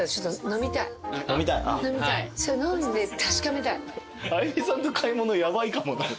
それ飲んで確かめたい。